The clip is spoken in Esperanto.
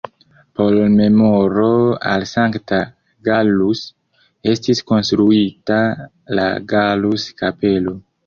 Por memoro al Sankta Gallus estis konstruita la Gallus-Kapelo.